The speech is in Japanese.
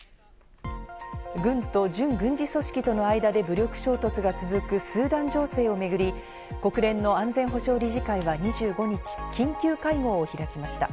軍と準軍事組織との間で武力衝突が続くスーダン情勢をめぐり、国連の安全保障理事会は２５日、緊急会合を開きました。